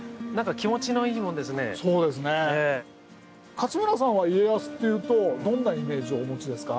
勝村さんは家康っていうとどんなイメージをお持ちですか？